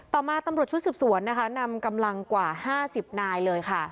ต่อมาตำรวจชุดสืบสวนนะคะนำกำลังกว่า๕๐นายเลยค่ะ